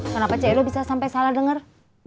kenapa ce edo bisa sampai salah denger